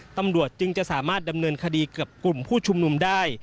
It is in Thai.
ตำรวจจึงจะสามารถดำเนินคดีกับกลุ่มผู้ชุมนุมได้